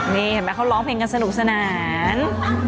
นี่เห็นไหมเขาร้องเพลงกันสนุกสนาน